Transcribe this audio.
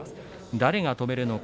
誰が止めるのか